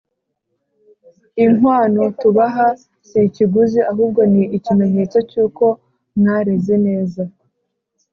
inkwano tubaha si ikiguzi ahubwo ni ikimenyetso cy’uko mwareze neza